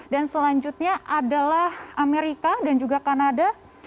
dan selanjutnya adalah amerika dan juga kanada